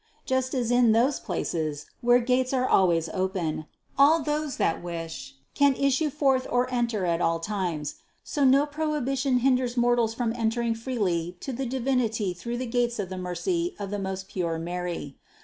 Just as in those places, where gates are always open, all those that wish, can issue forth or enter at all times, so no prohibition hinders mortals from entering freely to the Divinity through the gates of the mercy of the most pure Mary.